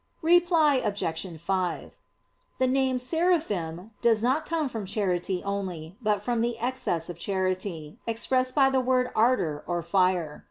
Reply Obj. 5: The name "Seraphim" does not come from charity only, but from the excess of charity, expressed by the word ardor or fire.